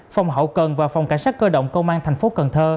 phòng hậu cần và phòng cảnh sát cơ động công an tp cn